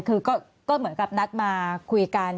คือก็เหมือนกับนัดมาคุยกัน